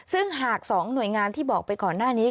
ซึ่งหาก๒หน่วยงานที่บอกไปก่อนหน้านี้